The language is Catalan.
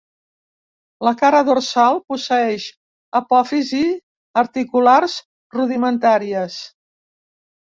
La cara dorsal posseeix apòfisis articulars rudimentàries.